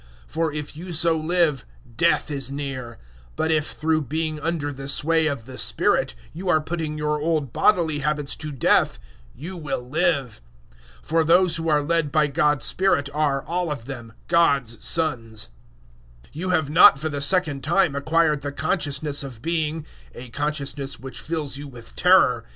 008:013 For if you so live, death is near; but if, through being under the sway of the spirit, you are putting your old bodily habits to death, you will live. 008:014 For those who are led by God's Spirit are, all of them, God's sons. 008:015 You have not for the second time acquired the consciousness of being a consciousness which fills you with terror.